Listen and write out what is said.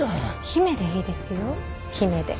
姫でいいですよ姫で。